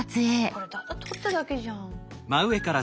これただ撮っただけじゃん。